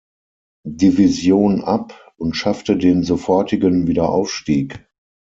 Division ab und schaffte den sofortigen Wiederaufstieg.